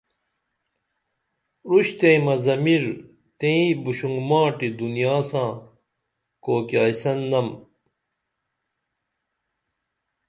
اُرشتیئمہ ضمیرتئیں بُشونگماٹی دنیا ساں کوئیکیاسن نم